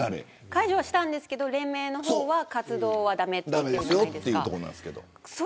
解除はしたんですけど連盟の方は活動は駄目と言っているじゃないですか。